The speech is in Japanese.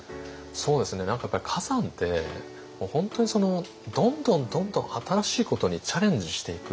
そうですね何かやっぱり崋山って本当にどんどんどんどん新しいことにチャレンジしていく。